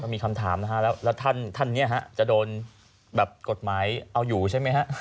มีคำถามแล้วท่านจะโดนกฎหมายเอาอยู่ใช่ไหม